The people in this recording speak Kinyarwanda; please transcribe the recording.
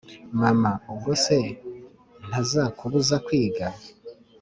mama: ubwose ntazakubuza kwiga?